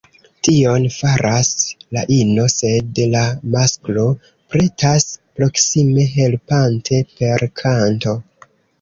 Tion faras la ino, sed la masklo pretas proksime helpante “per kanto”.